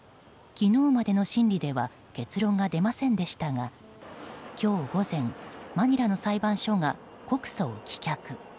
昨日までの審理では結論が出ませんでしたが今日午前、マニラの裁判所が告訴を棄却。